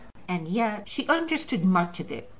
And yet she understood much of it.